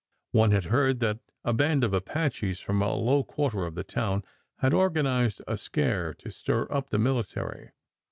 One had heard that a band of Apaches from a low quarter of the town had organized a scare to stir up the military.